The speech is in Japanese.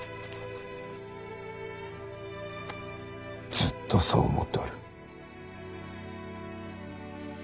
ずっとそう思っておる。